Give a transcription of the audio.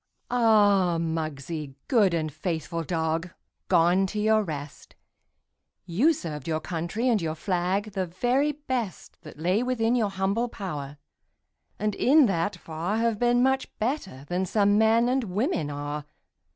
Ah, Muggsie, good and faithful dog, Gone to your rest! You served your country and your flag The very best That lay within your humble power, And in that far Have been much better than some men And women are.